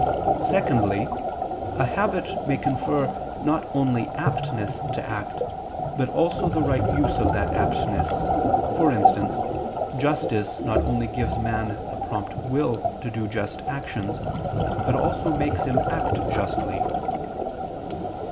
Secondly, a habit may confer not only aptness to act, but also the right use of that aptness: for instance, justice not only gives man the prompt will to do just actions, but also makes him act justly.